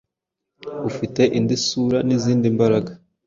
ufite indi sura n’izindi mbaraga,